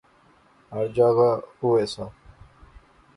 ہر جاغا اوہے سا